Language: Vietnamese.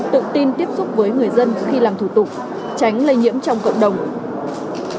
tự tin tiếp xúc với người dân khi làm thủ tục tránh lây nhiễm trong cộng đồng